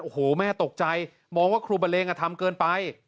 โอ้โหแม่ตกใจมองว่าครูบันเลงทำเกินไป